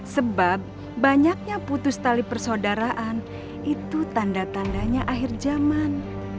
sebab banyaknya putus tali persaudaraan itu tanda tandanya akhir zaman